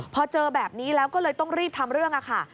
พอเจอแบบนี้แล้วก็เลยต้องรีบทำเรื่องค่ะ